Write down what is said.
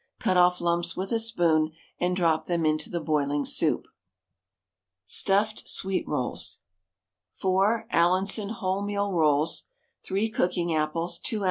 Cut off lumps with a spoon and drop them into the boiling soup. STUFFED SWEET ROLLS. 4 Allinson wholemeal rolls, 3 cooking apples, 2 oz.